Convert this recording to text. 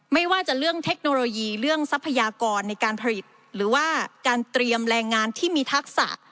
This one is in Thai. ไม่ว่าจะเรื่องเทคโนโลยีเรื่องทรัพยากรในการผลิตหรือว่าการเตรียมแรงงานที่มีทักษะ